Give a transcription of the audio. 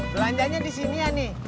belanjanya disini ya nih